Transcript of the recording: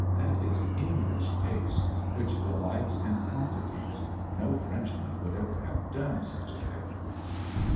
That is English taste, which delights in quantities: no Frenchman would ever have done such a thing!